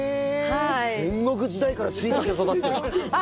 戦国時代からしいたけを育ててるんですか？